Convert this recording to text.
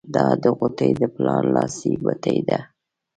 دا د غوټۍ د پلار لاسي بتۍ ده.